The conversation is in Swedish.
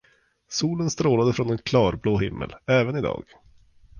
Solen strålade från en klarblå himmel, även idag.